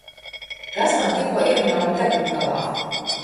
Kas man tikko ieknāba degungalā?